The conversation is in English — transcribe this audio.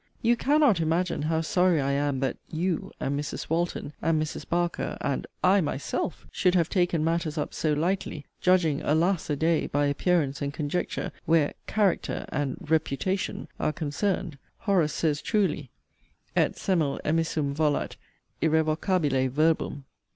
You cannot imagine how sorry I am that 'you' and Mrs. Walton, and Mrs. Barker, and 'I myself,' should have taken matters up so lightly, (judging, alas a day! by appearance and conjecture,) where 'character' and 'reputation' are concerned. Horace says truly, 'Et semel emissum volat irrevocabile verbum.'